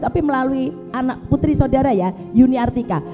tapi melalui anak putri saudara ya yuni artika